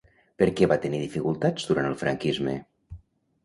Per què va tenir dificultats durant el franquisme?